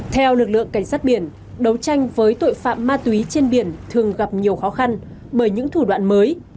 theo lực lượng cảnh sát biển đấu tranh với tội phạm ma túy trên biển thường gặp nhiều khó khăn bởi những thủ đoạn mới